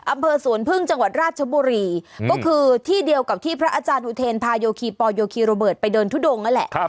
อำเภอสวนพึ่งจังหวัดราชบุรีก็คือที่เดียวกับที่พระอาจารย์อุเทนพาโยคีปอลโยคีโรเบิร์ตไปเดินทุดงนั่นแหละ